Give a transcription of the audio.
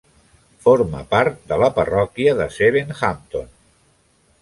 Forma part de la parròquia de Sevenhampton.